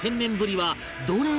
はい。